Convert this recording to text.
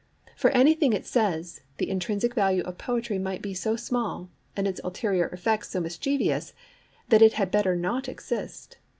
For anything it says, the intrinsic value of poetry might be so small, and its ulterior effects so mischievous, that it had better not exist.